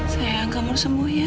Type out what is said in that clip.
sayang kamu sembuh ya